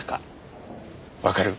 わかる？